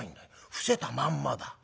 伏せたまんまだ。